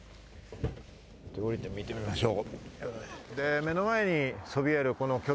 降りて見てみましょう。